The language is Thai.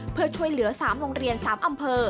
เพื่อช่วยเหลือ๓โรงเรียน๓อำเภอ